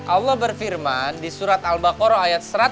allah berfirman di surat al baqarah ayat satu ratus delapan puluh tiga